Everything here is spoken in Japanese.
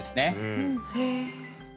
うんへえ